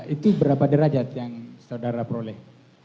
itu berapa derajat yang saudara peroleh